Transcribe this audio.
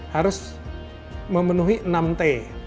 harus memenuhi enam t